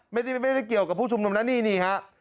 ไม่ได้เกี่ยวกับผู้ชุมนุมนะนี่ฮะ